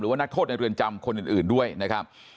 นักโทษในเรือนจำคนอื่นด้วยนะครับ